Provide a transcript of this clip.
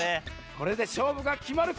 これでしょうぶがきまるか？